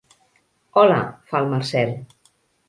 Hola —fa el Marcel.